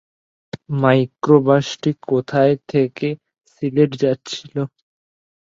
মাইক্রোবাসটি কোথায় থেকে সিলেট যাচ্ছিল?